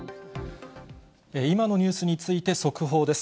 今のニュースについて、速報です。